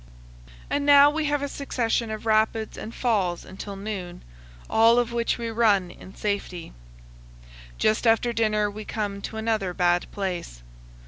And now we have a succession of rapids and falls until noon, all of which we run in safety. Just after dinner we come to another bad place.